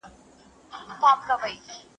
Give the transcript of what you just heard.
د الوتکې د کښېناستو پر مهال ټول مسافر غلي وو.